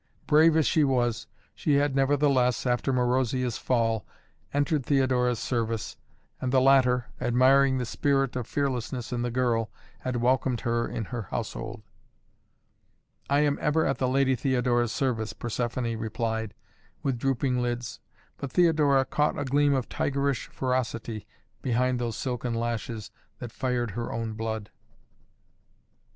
Brave as she was, she had nevertheless, after Marozia's fall, entered Theodora's service, and the latter, admiring the spirit of fearlessness in the girl, had welcomed her in her household. "I am ever at the Lady Theodora's service," Persephoné replied, with drooping lids, but Theodora caught a gleam of tigerish ferocity beneath those silken lashes that fired her own blood.